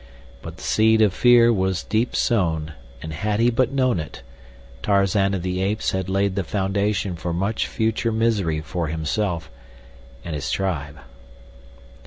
But the seed of fear was deep sown, and had he but known it, Tarzan of the Apes had laid the foundation for much future misery for himself and his tribe.